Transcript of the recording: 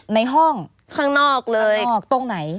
ในห้องข้างนอกเลยออกตรงไหน